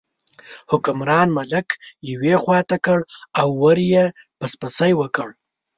حکمران ملک یوې خوا ته کړ او ور یې پسپسي وکړل.